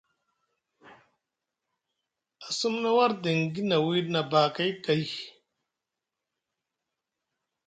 A sumna war diŋgi na wiiɗi nʼabakay kay.